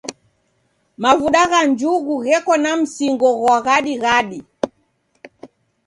Mavuda gha njugu gheko na mzingo ghwa ghadighadi.